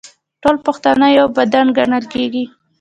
ټول پښتانه یو بدن ګڼل کیږي.